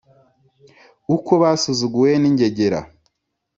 Uko basuzuguwe n’ingegera !